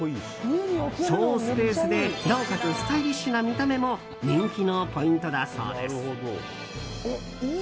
省スペースで、なおかつスタイリッシュな見た目も人気のポイントだそうです。